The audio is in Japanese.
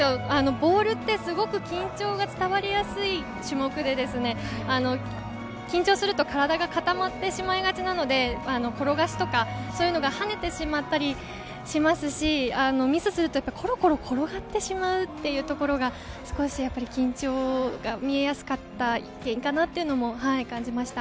ボールってすごく緊張が伝わりやすい種目で、緊張すると体が固まってしまいがちなので転がしとかそういうのが跳ねてしまったりしますし、ミスするとコロコロ転がってしまうところが少し緊張が見えやすかった原因かなと感じました。